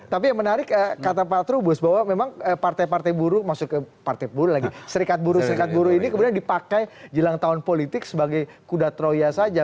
tapi yang menarik kata pak trubus bahwa memang partai partai buruh masuk ke partai buruh lagi serikat buruh serikat buruh ini kemudian dipakai jelang tahun politik sebagai kuda troya saja